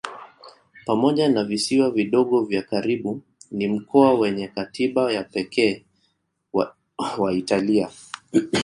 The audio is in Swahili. Pamoja na visiwa vidogo vya karibu ni mkoa wenye katiba ya pekee wa Italia.